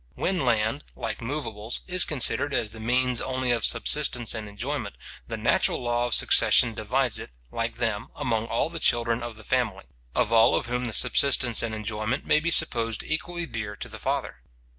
When land, like moveables, is considered as the means only of subsistence and enjoyment, the natural law of succession divides it, like them, among all the children of the family; of all of whom the subsistence and enjoyment may be supposed equally dear to the father.